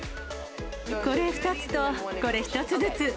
これ２つとこれ１つずつ。